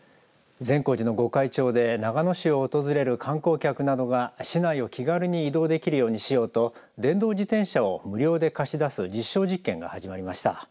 善光寺の御開帳で長野市を訪れる観光客などが市内を気軽に移動できるようにしようと電動自転車を無料で貸し出す実証実験が始まりました。